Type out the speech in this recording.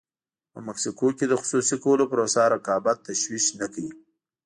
په مکسیکو کې د خصوصي کولو پروسه رقابت تشویق نه کړ.